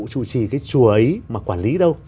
chủ trì cái chùa ấy mà quản lý đâu